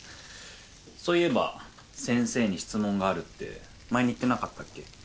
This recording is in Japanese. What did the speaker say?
そういえば先生に質問があるって前に言ってなかったっけ？